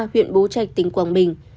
huyện bố trạch tỉnh quảng bình